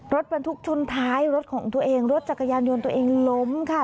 รถบรรทุกชนท้ายรถของตัวเองรถจักรยานยนต์ตัวเองล้มค่ะ